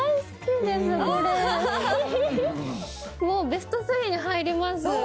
もうベスト３に入ります。